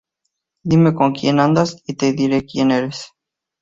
Dime con quién andas y te diré quién eres